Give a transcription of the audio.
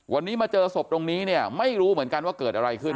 วันนี้มาเจอศพตรงนี้เนี่ยไม่รู้เหมือนกันว่าเกิดอะไรขึ้น